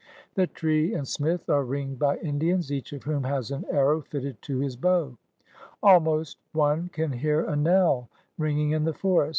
The trfee and Smith are ringed by Indians, each of whom has an arrow fitted to his bow. Almost one can hear a knell ringing in the forest!